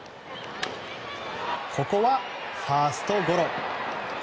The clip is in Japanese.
ここはファーストゴロ。